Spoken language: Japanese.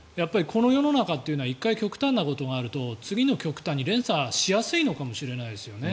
この世の中っていうのは１回、極端なことがあると次の極端に連鎖しやすいのかもしれないですよね